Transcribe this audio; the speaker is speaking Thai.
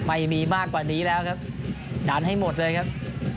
ไม่มีมากกว่านี้แล้วครับดันให้หมดเลยครับ